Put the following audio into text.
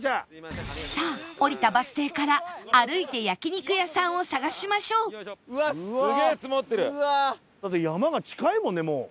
さあ降りたバス停から歩いて焼肉屋さんを探しましょうだって山が近いもんねもう。